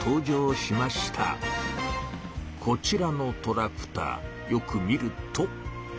こちらのトラクターよく見ると。